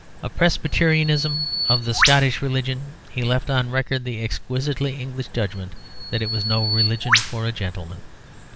Of Presbyterianism, of the Scottish religion, he left on record the exquisitely English judgment that it was "no religion for a gentleman."